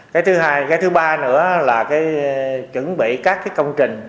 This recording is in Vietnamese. cái thứ hai cái thứ ba nữa là cái chuẩn bị các cái công trình